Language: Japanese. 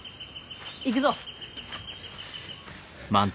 行くぞ。